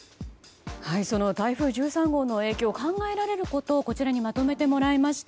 その台風１３号の影響考えられることをこちらにまとめてもらいました。